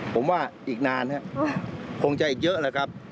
ผมว่าอีกนานครับคงจะอีกเยอะแล้วครับ